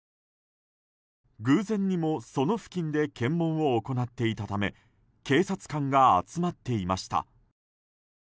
偶然にもその付近で検問を行っていたため警察官が集まっていました。